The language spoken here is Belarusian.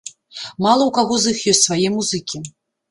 Мала ў каго з іх ёсць свае музыкі.